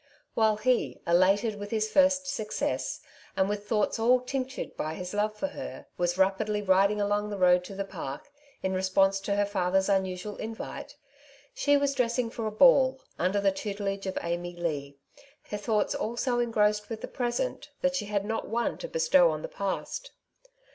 While he, elate with his first success, and with thoughts all tinctured by his love for her, was rapidly riding along the road to the Park, in response to her father's unusual invite, she was dressing for a ball, under the tutelage of Amy Leigh, her thoughts all so engrossed with the present that she had not one to bestow on the past.